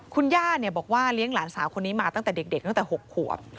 คุณย่าบอกว่าเลี้ยงหลานสาวคนนี้มาตั้งแต่เด็กตั้งแต่๖ขวบ